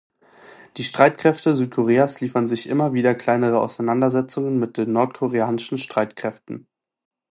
Die Streitkräfte Südkoreas liefern sich immer wieder kleinere Auseinandersetzungen mit den nordkoreanischen Streitkräften.